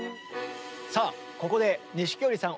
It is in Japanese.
さあここで錦織さん